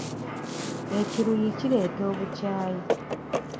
Ekiruyi kireeta obukyaayi.